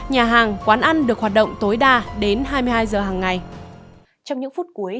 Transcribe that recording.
nhà hàng quán ăn được hoạt động tối đa đến hai mươi hai h hàng ngày